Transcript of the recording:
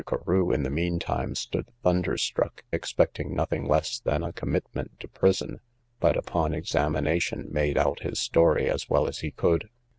Carew in the mean time stood thunder struck, expecting nothing less than a commitment to prison, but, upon examination, made out his story as well as he could.